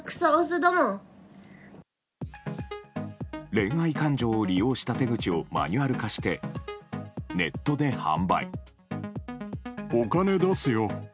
恋愛感情を利用した手口をマニュアル化してネットで販売。